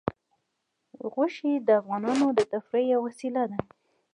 غوښې د افغانانو د تفریح یوه وسیله ده.